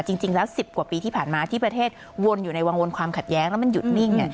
จริงแล้ว๑๐กว่าปีที่ผ่านมาที่ประเทศวนอยู่ในวังวนความขัดแย้งแล้วมันหยุดนิ่ง